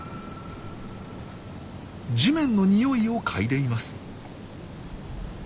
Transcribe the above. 地面のにおいを嗅いでいます。